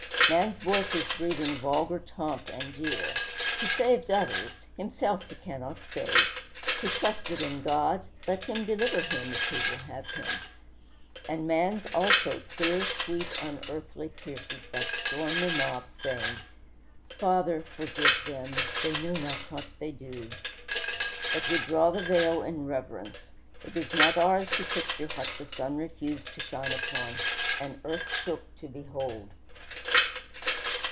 Man's voice is breathing vulgar taunt and jeer: "He saved others; himself he cannot save." "He trusted in God; let him deliver him if he will have him." And man's, also, clear, sweet, unearthly, pierces that stormy mob, saying, "Father, forgive them; they know not what they do." But we draw the veil in reverence. It is not ours to picture what the sun refused to shine upon, and earth shook to behold.